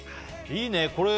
いいね。